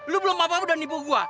lo belum apa apa udah nipu gua